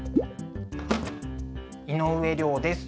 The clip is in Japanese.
井上涼です。